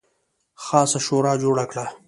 خاصه شورا جوړه کړه.